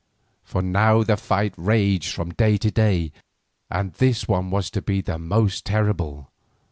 For now the fight raged from day to day, and this was to be one of the most terrible.